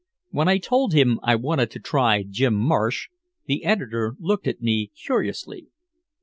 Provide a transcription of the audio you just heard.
When I told him I wanted to try Jim Marsh, the editor looked at me curiously.